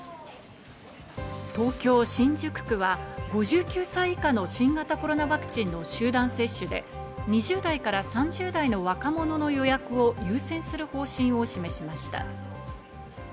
東京・新宿区は５９歳以下の新型コロナワクチンの集団接種で２０代から３０代の若者の予約を優先する方針を示しました。